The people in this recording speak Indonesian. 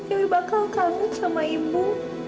ibu bakal kangen sama ibu